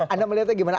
anda melihatnya gimana